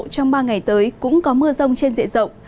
trong ba ngày tới cũng có mưa rông trên diện rộng